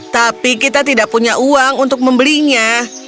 tapi kita tidak punya uang untuk membelinya